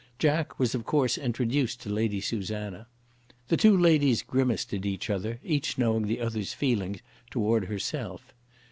Jack was of course introduced to Lady Susanna. The two ladies grimaced at each other, each knowing the other's feeling towards herself.